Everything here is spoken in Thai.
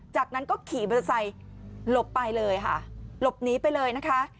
จากนั้นก็ขี่มอเตอร์ไซค์หลบไปเลยค่ะหลบหนีไปเลยนะคะ